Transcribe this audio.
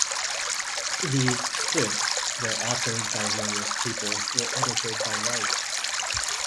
These scripts, though authored by various people, were edited by Rice.